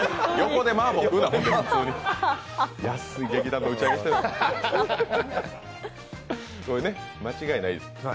これね、間違いないです。